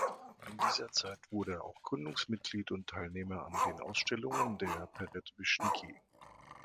In dieser Zeit wurde er auch Gründungsmitglied und Teilnehmer an den Ausstellungen der Peredwischniki.